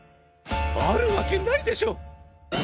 あるわけないでしょ！